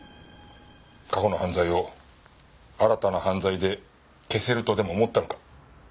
過去の犯罪を新たな犯罪で消せるとでも思ったのか。